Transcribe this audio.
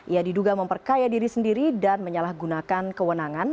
ia diduga memperkaya diri sendiri dan menyalahgunakan kewenangan